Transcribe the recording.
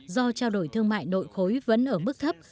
do trao đổi thương mại nội khối vẫn ở mức thấp